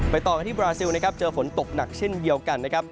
ต่อกันที่บราซิลนะครับเจอฝนตกหนักเช่นเดียวกันนะครับ